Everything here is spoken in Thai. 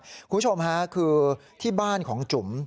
คุณผู้ชมค่ะคือที่บ้านของจุ๋ม